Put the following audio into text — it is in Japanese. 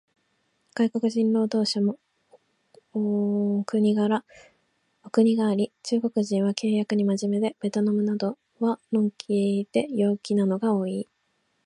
外国人労働者もお国柄があり、中国人は契約に真面目で、ベトナムなどは呑気で陽気なのが多い